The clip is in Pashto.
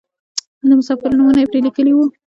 د مسافرو نومونه یې پرې لیکلي وو.